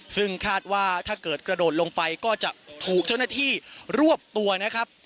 ซึ่งคาดว่าถ้าเกิดกระโดดลงไปก็จะถูกเจ้าหน้าที่รวบตัวนะครับ